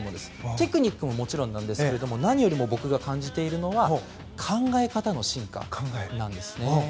テクニックはもちろんですが何より僕が感じているのは考え方の進化なんです。